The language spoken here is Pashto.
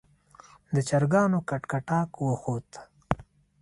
د چرګانو کټکټاک وخوت.